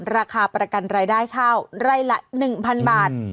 ราคาประกันรายได้เท่า๑๐๐๐บาท